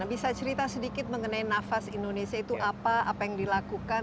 nah bisa cerita sedikit mengenai nafas indonesia itu apa apa yang dilakukan